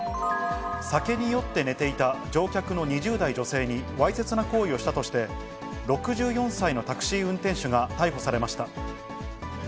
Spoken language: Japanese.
酒に酔って寝ていた乗客の２０代女性にわいせつな行為をしたとして、６４歳のタクシー運転手が逮捕されました。